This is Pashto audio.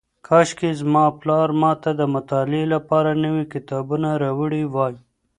کاشکې زما پلار ماته د مطالعې لپاره نوي کتابونه راوړي وای.